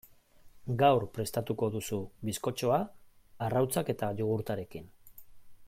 Gaur prestatuko duzu bizkotxoa arrautzak eta jogurtarekin.